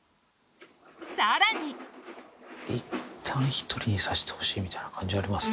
さらにいったん１人にさせてほしいみたいな感じありますね。